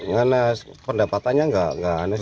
ngenes pendapatannya nggak aneh sih